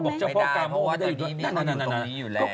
ไม่ได้เพราะว่าตอนนี้มันอยู่ตรงนี้อยู่แล้ว